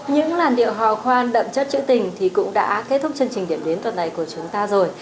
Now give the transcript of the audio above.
những làn điệu hò khoan đậm chất chữ tình thì cũng đã kết thúc chương trình điểm đến tuần này của chúng ta rồi